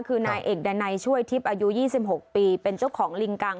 คือนายเอกดันัยช่วยทิพย์อายุ๒๖ปีเป็นเจ้าของลิงกัง